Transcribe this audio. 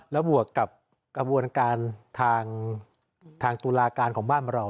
แล้วบวกกับกระบวนการทางตุลาการของบ้านเรา